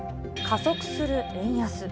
加速する円安。